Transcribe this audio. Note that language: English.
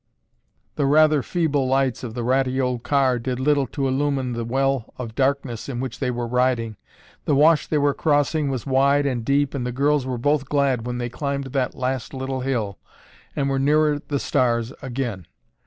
The rather feeble lights of the rattly old car did little to illumine the well of darkness in which they were riding. The wash they were crossing was wide and deep and the girls were both glad when they climbed that last little hill and were nearer the stars again.